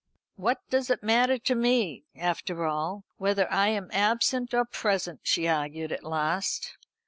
"What does it matter to me, after all, whether I am absent or present?" she argued at last.